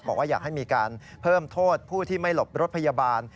บอกว่าอยากให้มีการเพิ่มโทษผู้ที่ไม่หลบรถพยาบาล